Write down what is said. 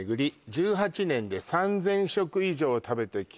「１８年で３０００食以上食べてきた」